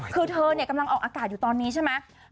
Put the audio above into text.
คือเธอกำลังออกอากาศอยู่ตอนนี้ใช่ไหม